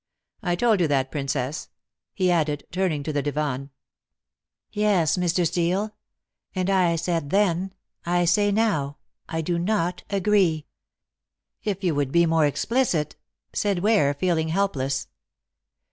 I told you that, Princess," he added, turning to the divan. "Yes, Mr. Steel. And I said then, I say now, I do not agree." "If you would be more explicit," said Ware, feeling helpless.